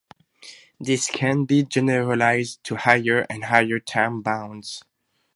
This can be generalized to higher and higher time bounds.